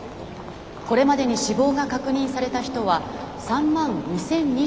これまでに死亡が確認された人は３万２，０２５人になりました。